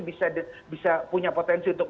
bisa punya potensi untuk